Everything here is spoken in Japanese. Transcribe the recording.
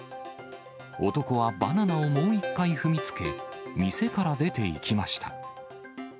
男はバナナをもう一回踏みつけ、店から出ていきました。